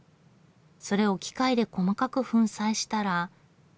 それを機械で細かく粉砕したら。